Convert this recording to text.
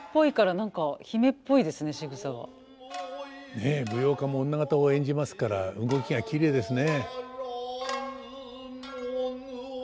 ねえ舞踊家も女方を演じますから動きがきれいですね。